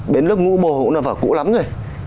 bến lức ngũ bồ cũng là vở cũ lắm rồi